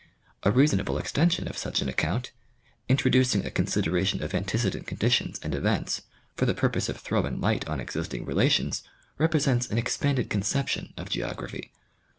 A reasonable ex tension of such an account, introducing a consideration of antece dent conditions and events, for the purpose of throwing light on existing relations, represents an expanded conception of geogra phy.